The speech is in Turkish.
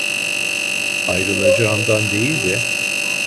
Ayrılacağımdan değil de